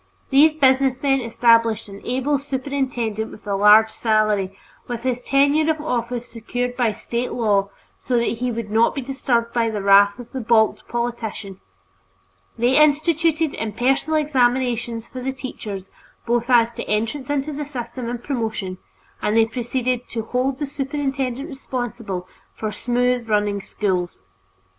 These businessmen established an able superintendent with a large salary, with his tenure of office secured by State law so that he would not be disturbed by the wrath of the balked politician. They instituted impersonal examinations for the teachers both as to entrance into the system and promotion, and they proceeded "to hold the superintendent responsible" for smooth running schools.